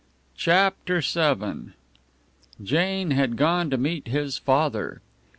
CHAPTER VII Jane had gone to meet his father.